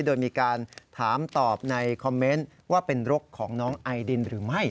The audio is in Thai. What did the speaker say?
โดยมีการถามตอบในคอมเมนต์ว่าเป็นรกของน้องไอดินหรือไม่